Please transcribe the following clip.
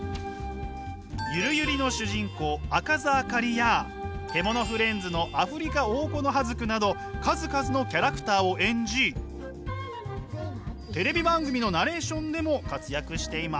「ゆるゆり」の主人公赤座あかりや「けものフレンズ」のアフリカオオコノハズクなど数々のキャラクターを演じテレビ番組のナレーションでも活躍しています。